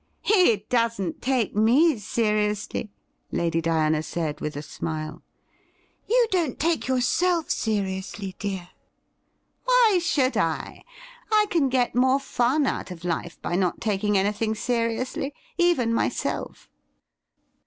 ' He doesn't take me seriously,' Lady Diana said with a smile. ' You don't take yourself seriously, dear.' ' Why should I .^ I can get more fun out of life by not taking anything seriously — even myself.'